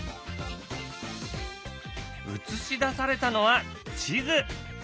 映し出されたのは地図。